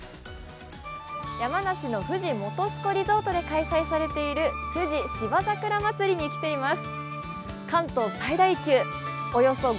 山梨の富士本栖湖リゾートで開催されている富士芝桜まつりにきています。